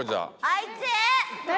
あいつ！